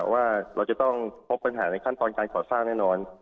ว่าเราจะต้องพบปัญหาในขั้นตอนการก่อสร้างแน่นอน